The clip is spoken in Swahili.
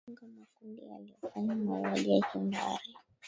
walipanga makundi yaliyofanya mauaji ya kimbari